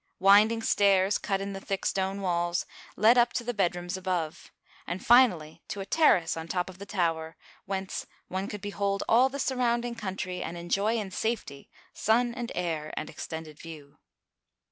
Winding stairs, cut in the thick stone walls, led up to the bedrooms above, and finally to a terrace on top of the tower, whence one could behold all the surrounding coun try, and enjoy in safety sun and air and extended view.